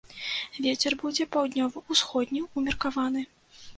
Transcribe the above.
Вецер будзе паўднёва-ўсходні, умеркаваны.